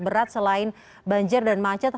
berat selain banjir dan macet